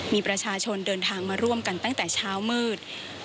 มีประชาชนเดินทางมาร่วมกันตั้งแต่เช้ามืด